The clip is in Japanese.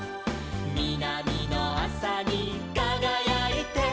「みなみのあさにかがやいて」